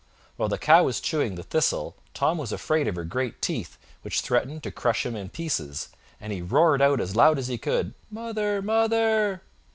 While the cow was chewing the thistle Tom was afraid of her great teeth, which threatened to crush him in pieces, and he roared out as loud as he could: "Mother, mother!"